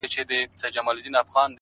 په زلفو ورا مه كوه مړ به مي كړې؛